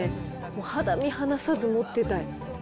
肌身離さず持っていたい。